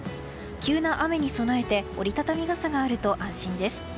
急な雨に備えて折り畳み傘があると安心です。